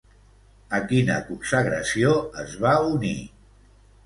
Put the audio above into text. A quina consagració es va unir?